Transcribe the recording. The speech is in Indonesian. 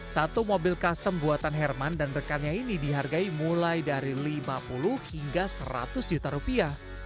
satu mobil custom buatan herman dan rekannya ini dihargai mulai dari lima puluh hingga seratus juta rupiah